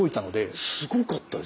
すごかったです。